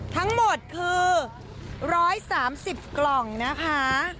ทั้งหมดคือ๑๓๐กล่องนะคะ